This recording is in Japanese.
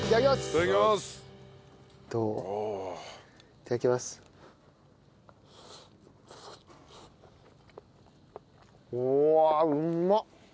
うわうまっ！